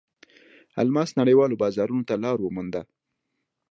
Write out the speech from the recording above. الماس نړیوالو بازارونو ته لار ومونده.